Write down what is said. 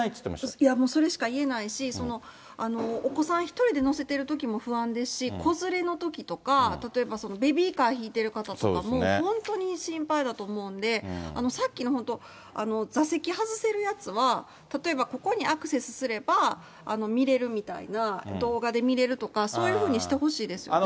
いや、もうそれしか言えないし、お子さん１人で乗せてるときも不安ですし、子連れのときとか、例えばベビーカー引いてる方とかも、本当に心配だと思うんで、さっきの本当、座席外せるやつは、例えば、ここにアクセスすれば、見れるみたいな、動画で見れるとか、そういうふうにしてほしいですよね。